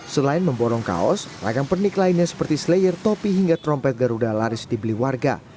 selain memborong kaos ragam pernik lainnya seperti slayer topi hingga trompet garuda laris dibeli warga